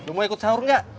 lo mau ikut sahur gak